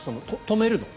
止めるの？